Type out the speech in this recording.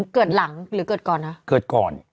เกิดหลังหรือเกิดก่อนนะเกิดก่อน